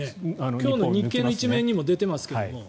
今日の日系の一面にも出てますが。